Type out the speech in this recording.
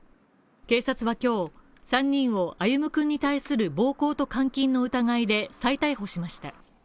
警察は今日３人を歩夢君に対する暴行と監禁の疑いで再逮捕しました。